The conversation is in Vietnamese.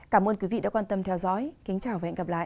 cảm ơn quý vị đã quan tâm theo dõi kính chào và hẹn gặp lại